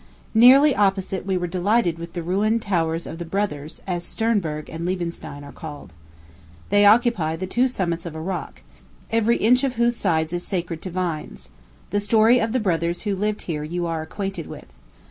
Nearly opposite we were delighted with the ruined towers of the Brothers, as Sternberg and Liebenstein are called. They occupy the two summits of a rock, every inch of whose sides is sacred to vines. The story of the brothers who lived here you are acquainted with.